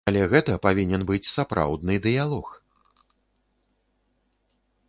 Але гэта павінен быць сапраўдны дыялог.